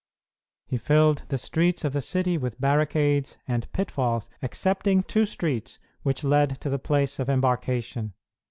He filled the streets of the city with barricades and pitfalls excepting two streets which led to the place of embarkation.